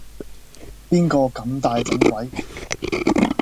邊個咁大整鬼